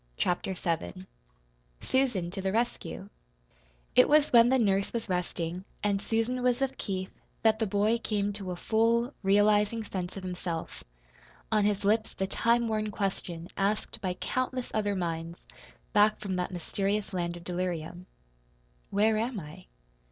CHAPTER VII SUSAN TO THE RESCUE It was when the nurse was resting and Susan was with Keith that the boy came to a full, realizing sense of himself, on his lips the time worn question asked by countless other minds back from that mysterious land of delirium: "Where am I?"